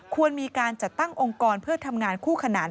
ควรมีการจัดตั้งองค์กรเพื่อทำงานคู่ขนาน